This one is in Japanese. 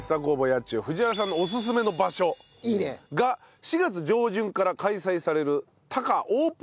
八千代藤原さんのおすすめの場所が４月上旬から開催される。